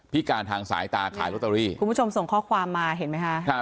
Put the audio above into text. การทางสายตาขายลอตเตอรี่คุณผู้ชมส่งข้อความมาเห็นไหมคะครับ